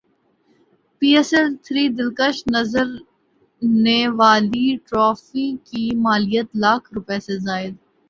پی S L three دلکش نظر نے والی ٹرافی کی مالیت لاکھ روپے سے زائد